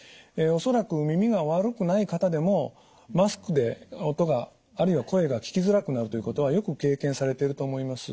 恐らく耳が悪くない方でもマスクで音があるいは声が聞きづらくなるということはよく経験されてると思います。